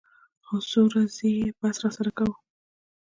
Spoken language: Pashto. څو ورځې يې بحث راسره وکو.